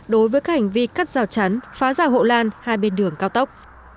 đối với các hành vi cắt rào chắn phá rào hộ lan hai bên đường cao tốc